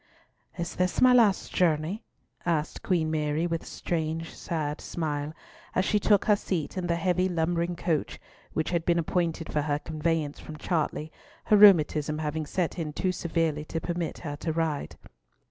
"Is this my last journey?" said Queen Mary, with a strange, sad smile, as she took her seat in the heavy lumbering coach which had been appointed for her conveyance from Chartley, her rheumatism having set in too severely to permit her to ride.